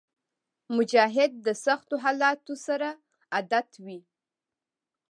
مجاهد د سختو حالاتو سره عادت وي.